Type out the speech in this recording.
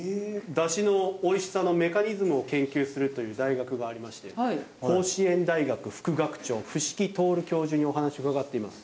ダシの美味しさのメカニズムを研究するという大学がありまして甲子園大学副学長伏木亨教授にお話を伺っています。